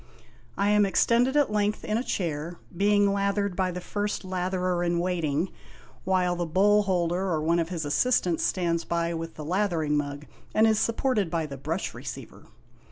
I am extended at length in a chair, being lathered by the First Latherer in Waiting, while the Bowl holder or one of his assistants stands by with the lathering mug, and is supported by the Brush THE SHAVING OF MUDJAHOY. Receiver.